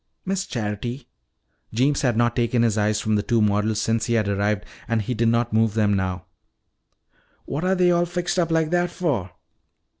"Miss Charity," Jeems had not taken his eyes from the two models since he had arrived and he did not move them now, "what're they all fixed up like that fur?"